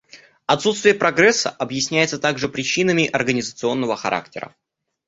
Отсутствие прогресса объясняется также причинами организационного характера.